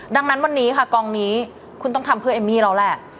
ดังนั้นวันนี้ค่ะกองนี้คุณต้องทำเพื่อเอมมี่แล้วแหละ